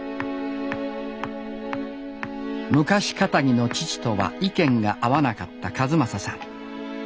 昔かたぎの父とは意見が合わなかった一正さん。